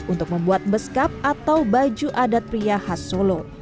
untuk membuat beskap atau baju adat pria khas solo